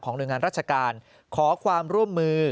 หน่วยงานราชการขอความร่วมมือ